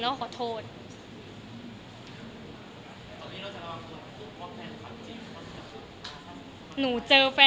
ถ้าน่าตอนเนี้ย